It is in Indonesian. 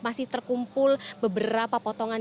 masih terkumpul beberapa potongan